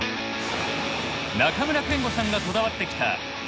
中村憲剛さんがこだわってきたスルーパス！